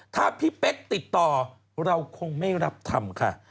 ถ้าพี่เป๊กติดต่อเราคงไม่รับทำค่ะ